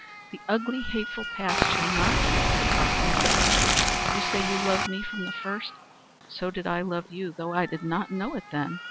The ugly hateful past shall not keep us apart longer. You say you loved me from the first; so did I love you, though I did not know it then.